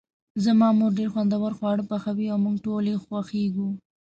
زما مور ډیر خوندور خواړه پخوي او موږ ټول یی خوښیږو